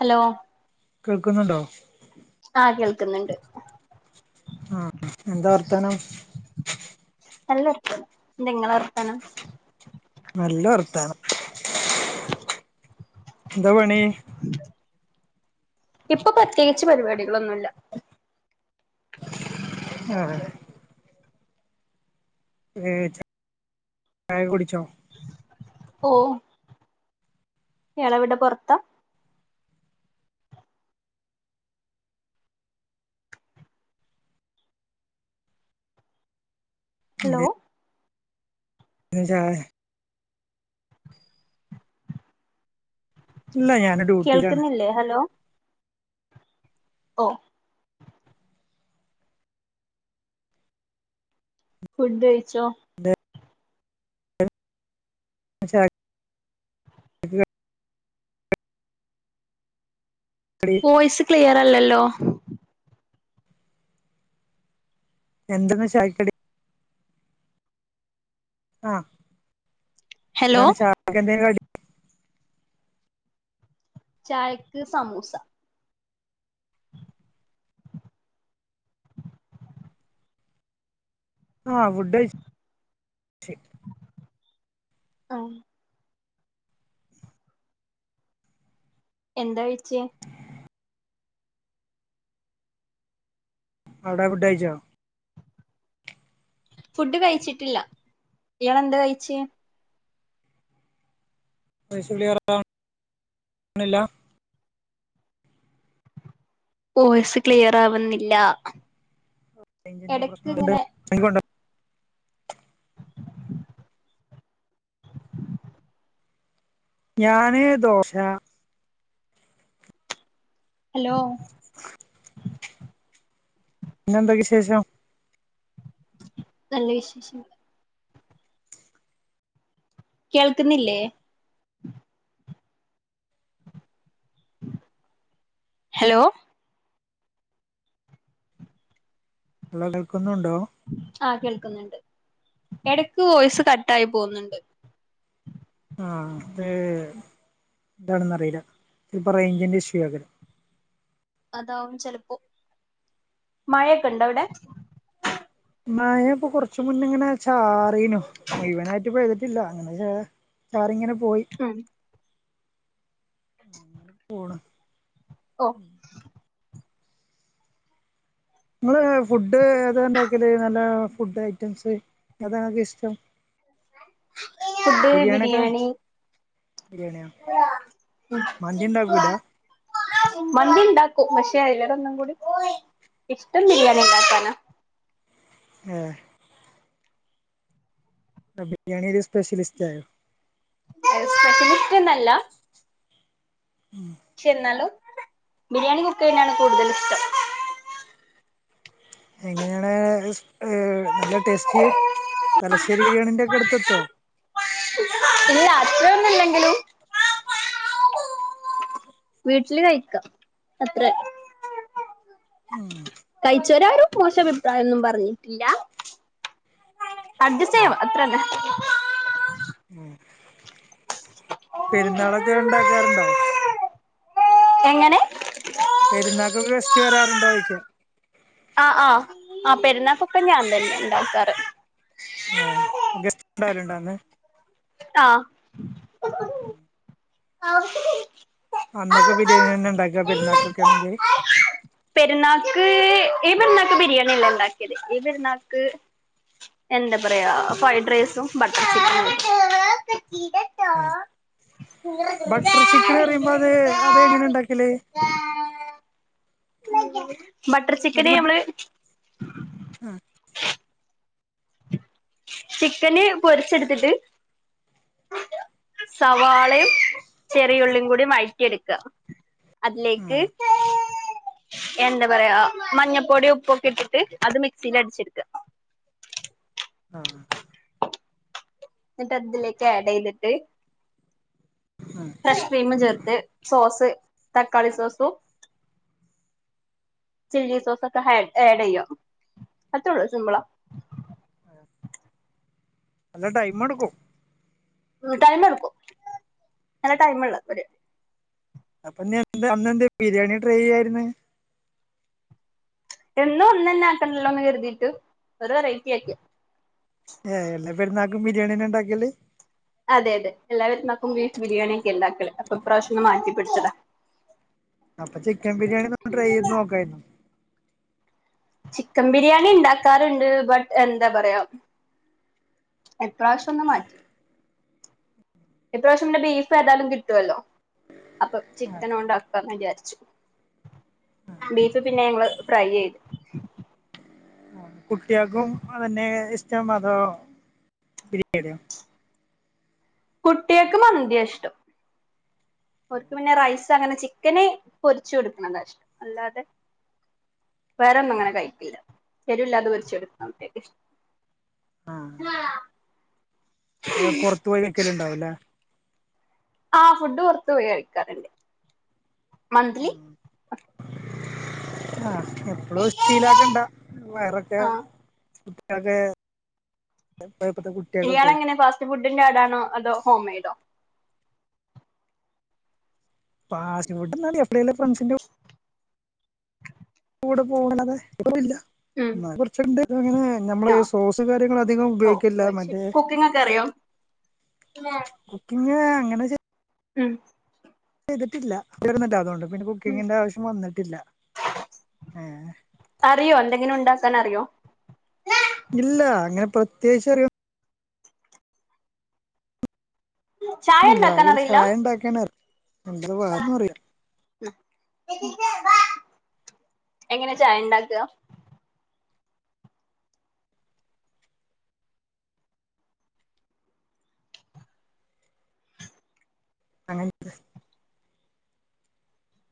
Hello കേൾക്ക്ണ്ണ്ടോ ആഹ കേൾക്ക് ന്ന്ണ്ട് ആഹ് എന്താ വർത്തനം? നല്ലർത്തം എന്തങ്ങളെ വർത്താനം നല്ല വർത്താനം എന്താ പണി ഇപ്പൊ പ്രത്യേകിച്ച് പരിപാടികളൊന്നുല്ല അ ഏർ ചായ കുടിച്ചോ ഓ ഇയാളെവിടെ പൊറത്താ ഹലോ എന്തേനു ചായ ഇല്ല ഞാന് ഡ്യൂട്ടിലാണ് കേൾക്കുന്നില്ലേ ഹലോ ഓ ഫുഡ് കഴിച്ചോ ചായ ക്ക് കടി വോയിസ് ക്ലിയർ അല്ലല്ലോ എന്തെന്ന ചായക്കടി ആ ഹലോ എന്താണ് ചായക്ക് എന്തേ കടി ചായക്ക് സമൂസ ആഹ് ഫുഡയ് ച്ച് ആ എന്താ കഴിച്ചേ അവിടെ ഫുഡ് കഴിച്ചോ? ഫുഡ് കഴിച്ചിട്ടില്ല ഇയാള് എന്ത് കഴിച്ച്? പെഷ്യല് [unintelligible] ഒന്നൂല്ലാ വോയിസ് ക്ലിയർ ആവുന്നില്ല റേഞ്ചിന്റെ എടക്ക് പ്രശ്നണ്ട് ഇങ്ങനെ [unintelligible] ഞാന് ദോശാ ഹലോ പിന്നെ എന്താ വിശേഷം നല്ല വിശേഷങ്ങള് കേൾക്കുന്നില്ലേ? ഹലോ ഹലോ കേൾക്കുന്നുണ്ടോ? ആഹ് കേൾക്കുന്നുണ്ട് എടക്ക് വോയിസ് കട്ടായി പോവുന്നുണ്ട് ആ അത് എന്താണെന്നറീല ചെലപ്പോ റേഞ്ചി്റെ ഇഷ്യൂയാക്കാരം. അതാവും ചെലപ്പോ, മഴയൊക്കെ ഉണ്ടോ അവിടെ മഴയിപ്പം കൊറച്ച് മുന്നെങ്ങണ ചാ റീനു മുയ്വനായിട്ട് പെയ്ത് ട്ടില്ല അങ്ങനെ ചെ ചാറിങ്ങനെ പോയി ആൺ പോണ് ഓ നിങ്ങള് ഫുഡ് ഏതാണ്ടാക്കല് നല്ല ഫുഡ് ഐറ്റംസ് ഏതങ്ങക്ക് ഇഷ്ടം ഫുഡ് ബിരിയാണിയൊക്കെ ബിരിയാണി ബിരിയാണിയോ മന്തി ഇണ്ടാക്കൂല മന്ദിണ്ടാ ക്കും പക്ഷെ അലേര ഒന്നുംടി ഇഷ്ടം ബിരിയാണി ഇണ്ടാക്കാനാ എ ആ ബിരിയാണിയൊര് സ്പെഷ്യലിസ്റ്റ് ആയോ സ്പെഷ്യലിസ്റ്റ് ചെന്നാലോ ബിരിയാണി മുട്ടയുമാണ് കൂടുതല് ഇഷ്ടം എങ്ങനെയാണ് ഏർ നല്ല ടേസ്റ്റി തലശ്ശേരി ബിരിയാണിന്റെ ഒക്കെ അടുത്തെത്തോ? ഇനി അത്രൊന്നുംല്ലെങ്കിലും വീട്ടില് കഴിക്കാം അത്ര ഉം കഴിച്ചരാരും പോശ അഭിപ്രായൊന്നും പറഞ്ഞിട്ടില്ല അട്ജെസ്റ്റ് ചെയ്യാ അത്രന്നെ ഉം പെരുന്നാളൊക്കെ ഉണ്ടാക്കാറുണ്ടോ എങ്ങനെ പെരുന്നാക്കെ ഗസ്റ്റ് വരാറുണ്ടോ ചോയ്ക്ക ആ ആ ആ പെരുന്നാാക്കൊക്കെ ഞാൻ തന്നെ ഇണ്ടാക്കാറ് ന്ന് ആ ആവശ്യം വരും അന്നൊക്കെ ബിരിയാണി തന്നെയാ ഉണ്ടാക്കുക പെരുന്നാക്കൾക്കൊണെങ്കിൽ പെരുന്നാക്ക് ഈ പെരുന്നാക്ക് ബിരിയാണി അല്ല ഉണ്ടാക്കിയത് ഈ പെരുന്നാക്ക് എന്താ പറയാ ഫ്രൈഡ് റൈസും ബട്ടർ ചിക്കനും ഉം അത് എങ്ങനെ ഉണ്ടാക്കല് [unintelligible] ഉ [unintelligible] ബട്ടർ അത് ചിക്കന് മ നമ്മള് ആ ചിക്കന് പൊരച്ചെടുത്തിട്ട് സവാളയും ചെറി ഉള്ളികൂടി വഴറ്റിയെടുക്കുക അതിലേക്ക് ആ എന്താ പറയാ മഞ്ഞപ്പൊടി ഉപ്പൊക്കെ ഇട്ടിട്ട് അത് മിക്സിൽ അടിച്ചെടുക്ക ആഹ് എന്നിട്ട് അതിലേക്ക് ആഡ് ചെയ്തിട്ട് ആ ഫ്രഷ് ക്രീം ചേർത്ത് സോസ് തക്കാളി സോസും ചില്ലി സോസും ഒക്കെ ആഡ് ചെയ്യുക അത്രേള്ളൂ സിമ്പിളാ നല്ല ടൈമ എടുക്കും ടൈമ എടുക്കും നല്ല ടൈമ ഉള്ളത അപ്പൊ ഇനി എന്താ അന്ന് എന്ത് ബിരിയാണി ട്രൈ ചെയ്യായിരുന്നെ എന്നും ഒന്ന് തന്നെ ആക്കണല്ലോന്ന് കരുതിയിട്ട് ഒരു വെറൈറ്റി ആക്കി ഏ എല്ലാ പെരുന്നാക്കും ബിരിയാണീ തന്നെ ഉണ്ടാക്കിയല് അതെ അതെ എല്ലാവും- ബീഫ് ബിരിയാണി ഒക്കെ ഉണ്ടാക്കല് ഇപ്രാവശ്യങ്ങ മാറ്റിപിടിച്ചടാ അപ്പൊ ചിക്കൻ ബിരിയാണിന്ന് ട്രൈ ചെയ്ത് നോക്കായിരുന്നു ചിക്കൻ ബിരിയാണി ഉണ്ടാക്കാറുണ്ട് ബട്ട് എന്താ പറയാ എപ്രാവശ്യം ഒന്ന് മാറ്റി എത്രാവശ്യം ഇന്റെ ബീഫ് ഏതായാലും കിട്ടുവല്ലോ അപ്പൊ ചിക്കന ഉണ്ടാക്കാന് വിചാരിച്ചു ബീഫ് പിന്നെ ഞങ്ങള് ഫ്രൈ ചെയ് കുട്ടികൾക്കും അതന്നെ ഇഷ്ടം അതോ ബിരിയാണിയോ കുട്ടികൾക്കും മന്ത യാ ഇഷ്ടം ഓർക്ക് പിന്നെ റൈസ് പ അങ്ങനെ ചിക്കന പൊരിച്ചു കൊടുക്കണതാ ഇഷ്ടം അല്ലാതെ വേറെൊന്നും അങ്ങനെ കഴിക്കില്ല എരിവില്ലാത പൊരിച്ചു കൊടുക്കണേക്ക് ഇഷ്ട ആ പുറത്തു പോയി നിക്കലും ഉണ്ടാവുംല്ലേ ആഹ ഫുഡ് പൊറത്ത്പോയി കഴിക്കാറുണ്ട് മന്ത്ലി ആഹ് എപ്പളു സ്റ്റീലാക്കണ്ട വയറൊക്കെ ആ അത് [unintelligible] കുട്ടിയക്കൊക്കെ റ്റ് ഫുഡിന്റെ ആദാണോ അതോ ഹോം മെയ്ഡോ പാസ്റ്റ് ഫുടൊന്ന് [unintelligible] എപ്പളെലും ഫ്രണ്ട്സിന്റൊപ് കൂട് പോകണത് ഉം [unintelligible] ഞമ്മള് ആ സോസ് കാര്യങ്ങള് അധികം ഓ ഉപയോഗിക്കില്ല ശരി മറ്റേ കുക്കിംഗ് ഒക്കെ അറിയോ [unintelligible] അങ്ങനെ ചോ ഉം [unintelligible] ഇല്ല തീർന്നെല്ല അതുകൊണ്ട് പിന്നെ ഉം കുക്കിങ്ങിന്റെ ആവശ്യം വന്നട്ടില്ല ഏ ങ്കിലും ഉണ്ടാക്കാനറിയോ ഇല്ല അങ്ങനെ പ്രത്യേകിച്ച് അറിയോ ചായ ഒന്നുല്ല ഉണ്ടാക്കാൻ ആകെ ഒര് അറിയില്ല ചായ എണ്ടാക്കാൻ അറി [unintelligible] വേറൊന്നും അറിയില്ല എങ്ങനെ ചായ എണ്ടാക്ക [unintelligible]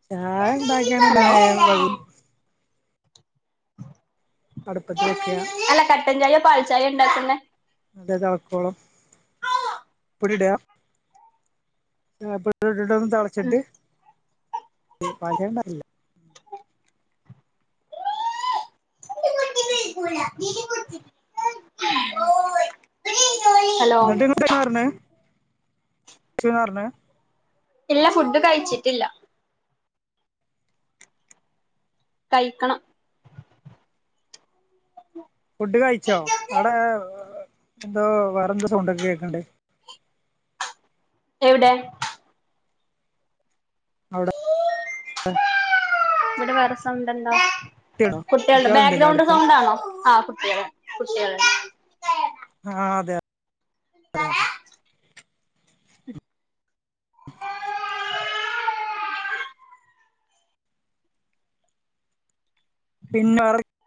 ചായ ഇണ്ടാക്കിയാന ഇണ്ടണേ ഹലോ [unintelligible] [unintelligible] തടപ്പത്തി വെക്കാ അല്ല കട്ടൻ ചായോ പാൽചായൊ എണ്ടാക്കുന്നേ അതേ ചള്ക്കോളം ഇവിടിട ആപ്പ [unintelligible] ഉം തെളച്ചിട്ട് [unintelligible] ട്ട ബ കുട്ട [unintelligible] [unintelligible] [unintelligible] ഇല്ല ഫുഡ് കഴിച്ചിട്ടില്ല കഴിക്കണം ഫുഡ് കഴിച്ചോ അവിടെ എന്തോ വേറെ എന്താ സൗണ്ടൊക്കെ കേക്കൺണ്ട് എവിടെ അവിടെ [unintelligible] ഇവിടെ വേറസൗണ്ടെണ്ടോ കുട്ടികളോ കുട്ടികളുടെ കുട്ടികളുണ്ടല്ലോ ബാക്ക്ഗ്രൗണ്ട് അടുത്ത് സൗണ്ടാണോ ആ കുട്ടികൾ കുട്ടികളെ ആഹ് അതെ അത അതതെ [unintelligible] പിന്നെ [unintelligible]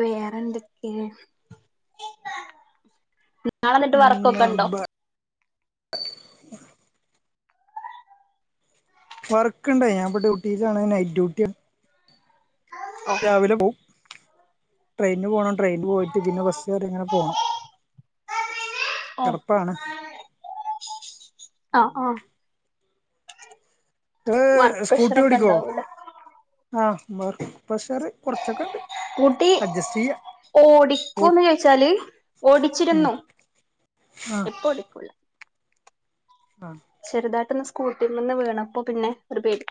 വേറെന്തൊക്കെ ഞാൻ എന്നിട്ട് വർക്കൊക്കെ ഉണ്ടോ അ [unintelligible] വർക്ക്ണ്ട് ഞാൻ ഇപ്പ ഡ്യൂട്ടിയിലാണ് നൈറ്റ് ഡ്യൂട്ടി ഓ രാവിലെ പോവും. ട്രെയിനിന് പോണം ട്രെയിനി പോയിട്ട് പിന്നെ ബസ്സുകർ ഇങ്ങനെ പോണം. ഓ ചെറുപ്പാണ്. ആ ആഹ്. ഏ വർക്ക് സ്കൂട്ടി പ്രഷറൊക്കെ ഓടിക്കോ ഉണ്ടാവൂലേ ആ വർക്ക് പ്രഷർ കുറച്ചൊക്കെ ഉണ്ട്. ഊട്ടി അഡ്ജസ്റ്റ് ചെയ്യാ ഓടിക്കൂന്ന് ചോദിച്ചാല് ഉം ഓടിച്ചിരുന്നു ആഹ് ഇപ്പ ഓടിക്കുള്ള. ആഹ്. പട്ടന്ന് സ്കൂട്ടിയിൽ നിന്ന് വീണപ്പോ പിന്നെ ഒരു പേടി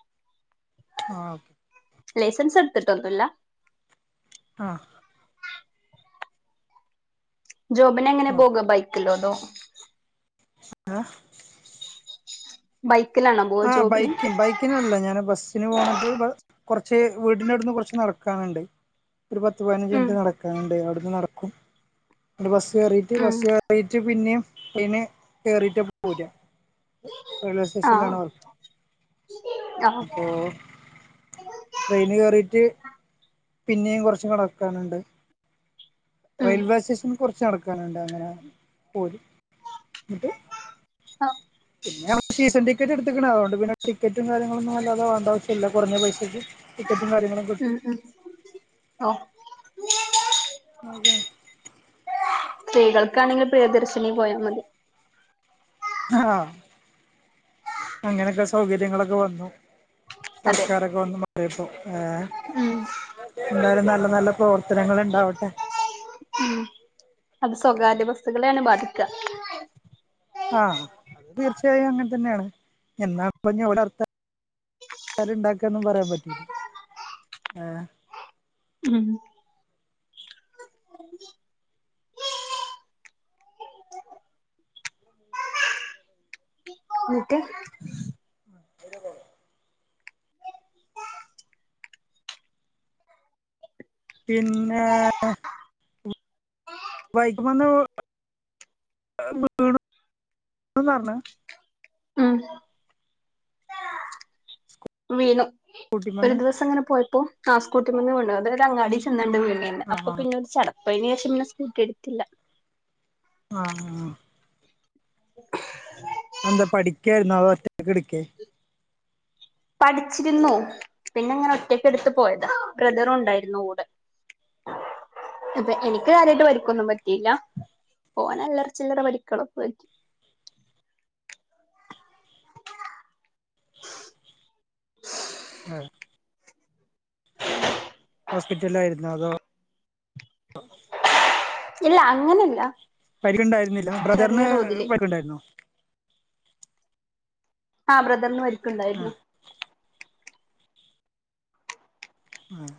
ആ ഓക്കെ. ലൈസൻസ് എടുത്തിട്ടൊന്നുല്ല. ആഹ്. ജോബിനെ എങ്ങനെ പോക ബൈക്കിലോ അതോ ആഹ്. ബൈ ആഹ് ബൈക്ക ബൈക്കിനല്ല ഞാന് ബസ്സിന് പോന്നിട്ട് കുറച്ച് വീടിന്റെ അടുന്ന് കുറച്ച് നടക്കാനുണ്ട്. ഒരു പത്ത് പതിനഞ്ച് ഉം മിനിറ്റ് നടക്കാനുണ്ട്. നടക്കും ബസ്സ് ഉം ബസ് കറിട്ട് പിന്നേ അയിന് കേറീട്ട് പോ ആഹ് റെയിൽവേറ്റേഷനിലാണ് അവർ. ആഹ്. ട്രെയിന് കേയറീട്ട് പിന്നെയും കുറച്ചും കടക്കാനുണ്ട്. ഉം റെയിൽവേ സ്റ്റേഷൻ കുറച്ച് നടക്കാനുണ്ട് അങ്ങനെ പോലും എന്നിട്ട്. ആഹ് പിന്നെ നമ്മ സീസൺ ടിക്കറ്റ് എടുത്ത്ക്കണ് അതുകൊണ്ട് പിന്നെ ടിക്കറ്റ് കാര്യങ്ങളൊന്നും അല്ലാതെ വേണ്ട ആവശ്യമില്ലല്ല കുറഞ്ഞ പൈസയ്ക്ക് ടിക്കറ്റ്. ഉം ഉം ഓ എന്താ സ്ത്രീകൾക്കാണെങ്കിൽ പ്രിയദർശിനി പോയാൽ മതി ആ അങ്ങനെയൊക്കെ സൗകര്യങ്ങളൊക്കെ വന്നു അതെ സർക്കാരൊക്കെ വന്ന് മാറപ്പോ ഏ ഉം എന്തായുന്ന നല്ല നല്ല പ്രവർത്തനങ്ങ ഉണ്ടാവട്ടെ. ഉം അത് സ്വകാര്യ വസ്തുക്കളെയാണ് ബാധിക്കാ. ആഹ തീർച്ചയായും അങ്ങനെ തന്നെയാണ് എന്നാ പറഞ്ഞവിടെ അർഥ ഉണ്ടാക്കൊന്നും പറയാൻ പറ്റില്ല ആ ഉം [inaudible] പിന്നെ? വൈക്ക വന്ന വീണന്ന് പറഞ്ഞ ഉം വീണു. ഒരു സ്കൂട്ടിമ്മന്ന് ദിവസം ങ്ങനെ പോയപ്പോ.. ആ സ്കൂട്ടി മെന്ന് വീണത്. അങ്ങാടി ചെന്നിണ്ട് വീന്ന് ആഹ് അപ്പൊ ആഹ് പിന്നെ ചട അപ്പൊ അയ്ന് ശേഷം പിന്നെ സ്കൂട്ടി എടുത്തില്ല. ആഹ് ആ [unintelligible] അന്ത പഠിക്കായിരുന്നോ അതോ ഒറ്റക്ക് എടുക്കേ പഠിച്ചിരുന്നു. പിന്നെ ഇങ്ങനെ ഒറ്റക്ക് എടുത്ത് പോയതാ ബ്രദറുണ്ടായിരുന്നു കൂടെ. അപ്പൊ എനിക്ക് കാര്യമായിട്ട് പരിക്കൊന്നും പറ്റ പറ്റില്ല ഓനല്ലറ ചില്ലറ പരിക്കാളൊക്ക പറ്റി. ആഹ് [inaudible] ഹോസ്പിറ്റലായിരുന്നോ അതോ? ഇല്ല അങ്ങനെല്ല പരിക്കണ്ടായിരുന്നില്ല ബ്രദർന് പരിക്ക്ണ്ടായിരുന്നോ? ആഹ് ബ്രദർന്ന് പരി ക്ക്ണ്ടായിരുന്നു ആഹ് ആഹ്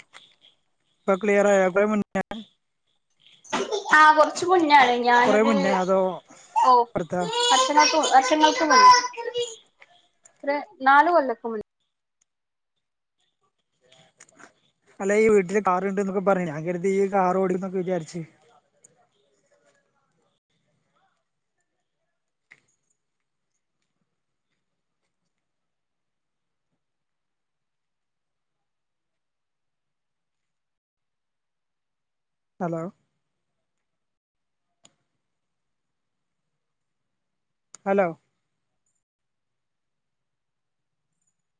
പ്പക്ലിയർ ആയോ കൊറേ മുന്നേ ആഹ് കൊർച്ച് മു ന്നെണ് കൊറേ ഞാനൊര് അതോ ഓഹ് ഇപ്പടുത്താ വർഷങ്ങൾക്ക് മു വർഷങ്ങൾക്ക് മുന്നെ ഒരു നാല് കൊല്ലൊക്കെ മുന്നേ അല്ല യ്യ് വീട്ടില് കാറുണ്ട്ന്നൊക്കെ പറഞ്ഞീനു ഞാൻ കര്തി യ്യ് കാർ ഓടിക്കുംന്നൊക്കെ വിചാര്ച്ച് ഹലോ ഹലോ